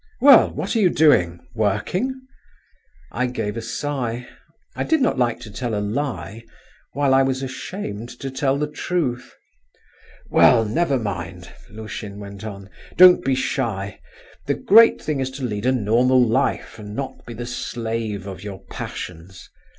Well, what are you doing? working?" I gave a sigh. I did not like to tell a lie, while I was ashamed to tell the truth. "Well, never mind," Lushin went on, "don't be shy. The great thing is to lead a normal life, and not be the slave of your passions.